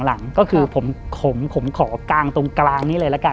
หลังก็คือผมผมขอกางตรงกลางนี้เลยละกัน